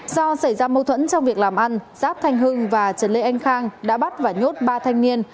do xảy ra mâu thuẫn trong việc làm ăn giáp thanh hưng và trần lê anh khang đã bắt và nhốt ba thanh niên